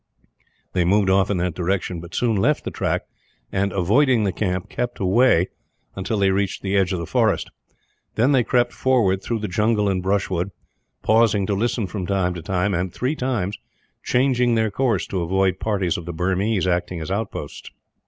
They moved off in that direction; but soon left the track and, avoiding the camp, kept away until they reached the edge of the forest. Then they crept forward through the jungle and brushwood, pausing to listen from time to time and, three times, changing their course to avoid parties of the Burmese acting as outposts.